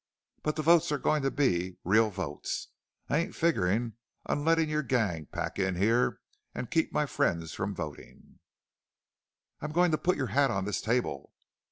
But the votes are going to be real votes. I ain't figuring on letting your gang pack in here and keep my friends from voting. "I'm going to put your hat on this table.